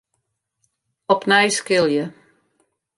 Opnij skilje.